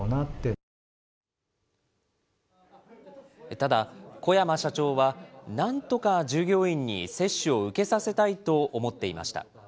ただ、小山社長はなんとか従業員に接種を受けさせたいと思っていました。